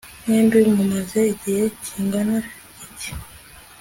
mwembi mumaze igihe kingana iki